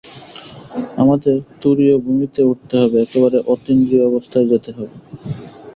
আমাদের তুরীয় ভূমিতে উঠতে হবে, একেবারে অতীন্দ্রিয় অবস্থায় যেতে হবে।